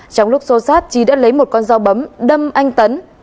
trong lúc xô sát trí đã lấy một con dao bấm đâm anh tấn